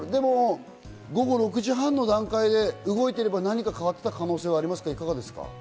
午後６時半の段階で動いていれば何か変わっていた可能性はありますか？